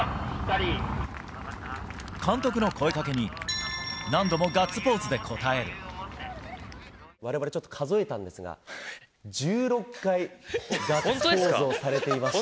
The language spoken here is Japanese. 監督の声かけに、何度もガッわれわれちょっと数えたんですが、１６回、ガッツポーズをされていました。